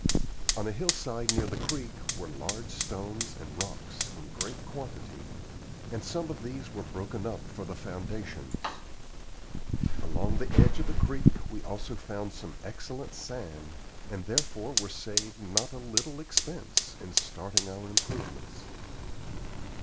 On a hillside near the creek were large stones and rocks in great quantity, and some of these were broken up for the foundations. Along the edge of the creek we also found some excellent sand, and therefore were saved not a little expense in starting our improvements.